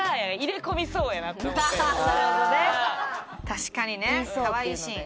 確かにね。「かわいいしん！」